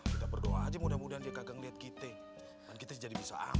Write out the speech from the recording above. kita berdoa aja mudah mudahan dia kagak ngeliat kita kan kita jadi bisa aman